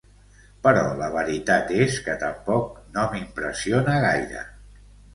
Però la veritat és que tampoc no m'impressiona gaire.